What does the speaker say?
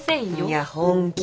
いや本気。